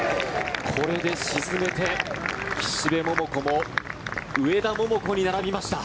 これで沈めて岸部桃子も上田桃子に並びました。